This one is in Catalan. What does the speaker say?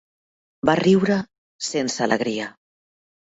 Va riure sense alegria.